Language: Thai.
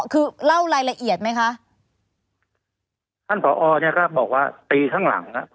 คือเล่ารายละเอียดไหมคะท่านผอเนี่ยก็บอกว่าตีข้างหลังอ่ะ